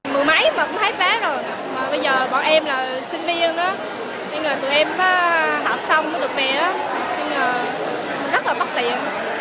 mùa mấy mà cũng hết vé rồi bây giờ bọn em là sinh viên tụi em học xong được về rất là tốt tiện